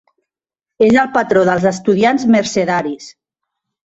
És el patró dels estudiants mercedaris.